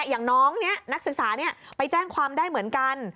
อย่างน้องนี้นักศึกษาไปแจ้งความได้เหมือนกัน